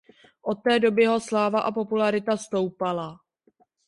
Od té doby jeho sláva a popularita stoupala.